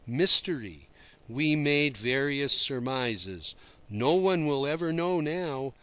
Mystery. We made various surmises. No one will ever know now.